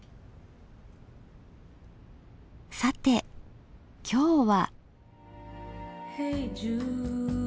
さて今日は？